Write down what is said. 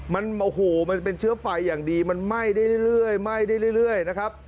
มันเป็นเชื้อไฟอย่างดีมันไหม้ได้เรื่อยนะครับ